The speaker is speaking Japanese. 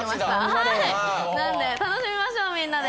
なので楽しみましょうみんなで。